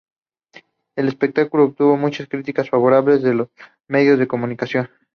El espectáculo obtuvo muchas críticas favorables de los medios de comunicación.